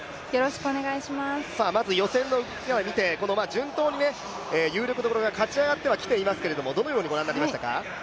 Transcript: まず予選を見て、順当に有力どころが勝ち上がってきてはいますけれどもどのようにご覧になりましたか？